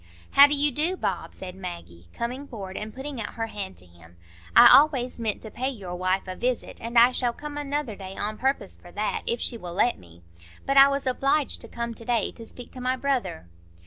"How do you do, Bob?" said Maggie, coming forward and putting out her hand to him; "I always meant to pay your wife a visit, and I shall come another day on purpose for that, if she will let me. But I was obliged to come to day to speak to my brother."